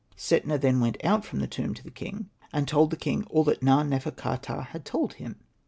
Setna then went out from the tomb to the king, and told the king all that Na.nefer.ka.ptah had told him.